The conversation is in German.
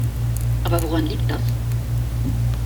Aber woran liegt das?